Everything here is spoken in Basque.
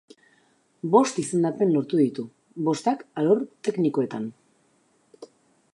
Bost izendapen lortu ditu, bostak alor teknikoetan.